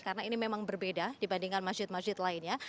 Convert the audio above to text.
karena ini memang berbeda dibandingkan masjid masjid lainnya